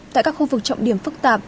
tại các khu vực trọng điểm phức tạp